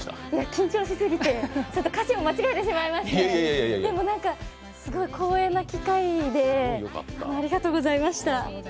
緊張しすぎて歌詞を間違えてしまいましてでも、すごい光栄な機会でありがとうございました。